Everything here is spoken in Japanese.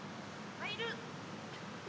入る！